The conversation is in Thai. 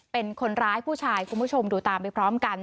เป็นคนร้ายผู้ชายคุณผู้ชมดูตามไปพร้อมกัน